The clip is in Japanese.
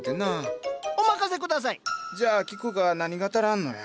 じゃあ聞くが何が足らんのや？